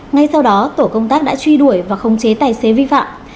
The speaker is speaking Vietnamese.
ngay sau đó tổ công tác đã truy đuổi và không chế tài xế vi phạm